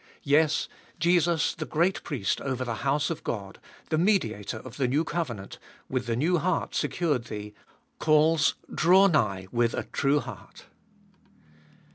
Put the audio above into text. Yes, Jesus, the great Priest over the house of God, the Mediator of the new covenant, with the new heart secured thee, calls, Draw nigh with a true heart.